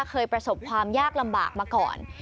เคยประสบความยากลำบากมาก่อน